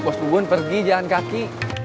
bos bubun pergi jalan kaki